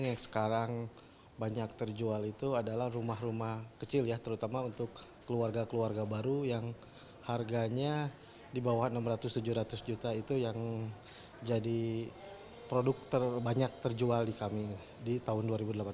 yang sekarang banyak terjual itu adalah rumah rumah kecil ya terutama untuk keluarga keluarga baru yang harganya di bawah enam ratus tujuh ratus juta itu yang jadi produk terbanyak terjual di kami di tahun dua ribu delapan belas